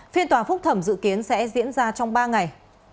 phiên tòa phúc thẩm dự kiến sẽ diễn ra trong ba ngày